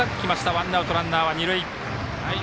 ワンアウトランナーは二塁。